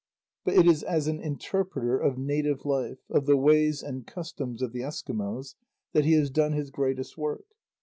But it is as an interpreter of native life, of the ways and customs of the Eskimos, that he has done his greatest work.